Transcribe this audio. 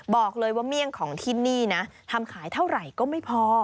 บอกเลยว่าเมี่ยงของที่นี่นะทำขายเท่าไหร่ก็ไม่พอ